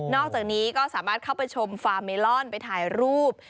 อกจากนี้ก็สามารถเข้าไปชมฟาร์เมลอนไปถ่ายรูป